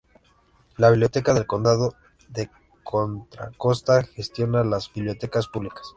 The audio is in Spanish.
La Biblioteca del Condado de Contra Costa gestiona las bibliotecas públicas.